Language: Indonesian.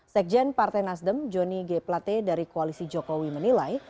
sekjen partai nasdem joni g plate dari koalisi jokowi menilai